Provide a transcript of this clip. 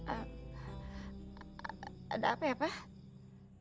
ada apa ya pak